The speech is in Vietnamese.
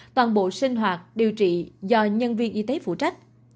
toàn bộ sinh hoạt điều trị do nhân viên y tế phụ trách